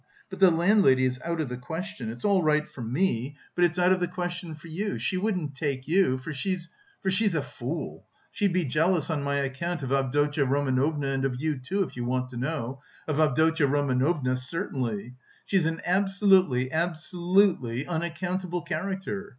But the landlady is out of the question; it's all right for me, but it's out of the question for you: she wouldn't take you, for she's... for she's a fool... She'd be jealous on my account of Avdotya Romanovna and of you, too, if you want to know... of Avdotya Romanovna certainly. She is an absolutely, absolutely unaccountable character!